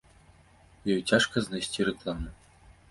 Ёй цяжка знайсці рэкламу.